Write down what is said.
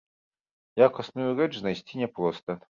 Якасную рэч знайсці няпроста.